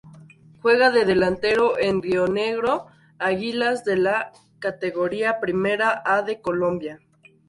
Juega de Delantero en Rionegro Águilas de la Categoría Primera A de Colombia.